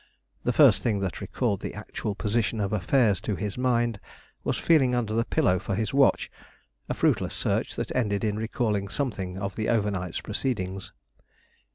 The first thing that recalled the actual position of affairs to his mind was feeling under the pillow for his watch: a fruitless search that ended in recalling something of the overnight's proceedings.